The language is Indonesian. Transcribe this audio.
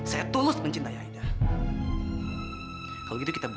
apa penandaan tersebut